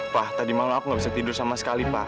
pa tadi malem aku gak bisa tidur sama sekali pa